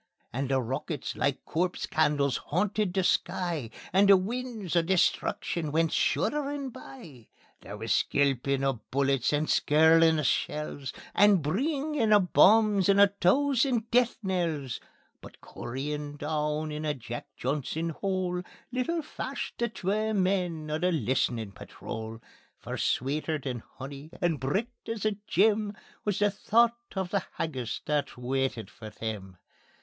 And the rockets like corpse candles hauntit the sky, And the winds o' destruction went shudderin' by. There wis skelpin' o' bullets and skirlin' o' shells, And breengin' o' bombs and a thoosand death knells; But cooryin' doon in a Jack Johnson hole Little fashed the twa men o' the List'nin' Patrol. For sweeter than honey and bricht as a gem Wis the thocht o' the haggis that waitit for them.